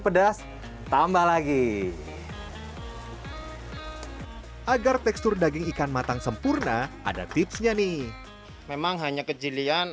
pedas tambah lagi agar tekstur daging ikan matang sempurna ada tipsnya nih memang hanya kejelian